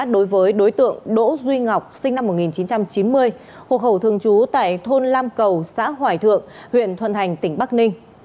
đối với đối tượng đỗ duy ngọc sinh năm một nghìn chín trăm chín mươi hộ khẩu thường trú tại thôn lam cầu xã hoài thượng huyện thuận thành tỉnh bắc ninh